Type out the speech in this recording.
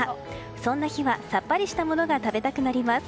そんな日はさっぱりしたものが食べたくなります。